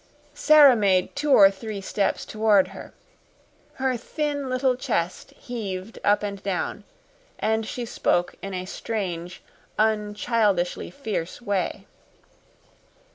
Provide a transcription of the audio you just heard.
Sara made two or three steps toward her. Her thin little chest heaved up and down, and she spoke in a strange un childishly fierce way.